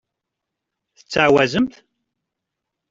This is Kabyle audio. Tettɛawazemt?